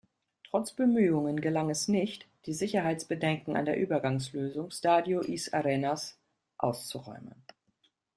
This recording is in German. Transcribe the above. Trotz Bemühungen gelang es nicht, die Sicherheitsbedenken an der Übergangslösung Stadio Is Arenas auszuräumen.